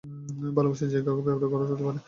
ভালোবাসা যে কাউকে বেপরোয়া করে তুলতে পারে।